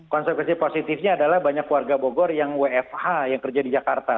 konsekuensi positifnya adalah banyak warga bogor yang wfh yang kerja di jakarta